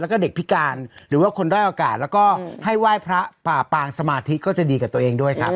แล้วก็เด็กพิการหรือว่าคนด้อยโอกาสแล้วก็ให้ไหว้พระป่าปางสมาธิก็จะดีกับตัวเองด้วยครับ